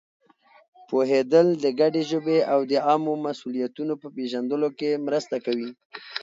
پوهېدل د ګډې ژبې او د عامو مسؤلیتونو په پېژندلو کې مرسته کوي.